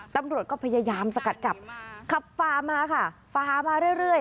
ตำรวจก็พยายามสกัดจับขับฝ่ามาค่ะฟ้ามาเรื่อย